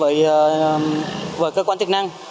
còn nó liên kết với cơ quan chức năng